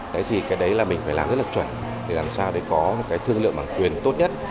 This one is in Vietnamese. thế thì cái đấy là mình phải làm rất là chuẩn để làm sao để có một cái thương lượng bản quyền tốt nhất